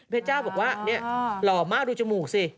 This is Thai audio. เพชรจ้าบอกว่ารอมมากดูจมูกซิ